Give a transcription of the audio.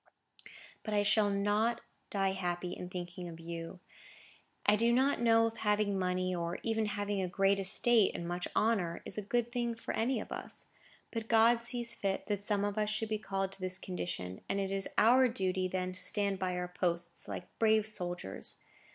"But I shall not die happy in thinking of you. I do not know if having money, or even having a great estate and much honour, is a good thing for any of us. But God sees fit that some of us should be called to this condition, and it is our duty then to stand by our posts, like brave soldiers.